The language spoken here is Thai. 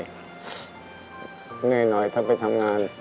เหนื่อยหน่อยถ้าไปทำงาน